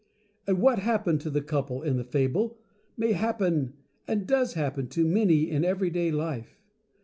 And what happened to the Couple in the Fable, may happen, and does happen, to many in everyday life.